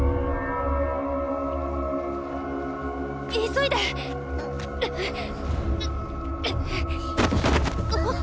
急いで！っ！